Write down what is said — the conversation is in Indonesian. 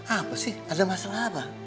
apa sih ada masalah apa